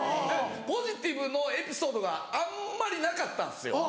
ポジティブのエピソードがあんまりなかったんですよ。